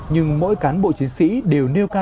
nhưng mỗi cán bộ chiến sĩ đều nêu ca